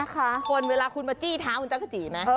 คนเวลาคุณมาจี้เท้าคุณจักรจีไหม